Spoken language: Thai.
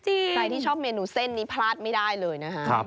ใครที่ชอบเมนูเส้นนี้พลาดไม่ได้เลยนะครับ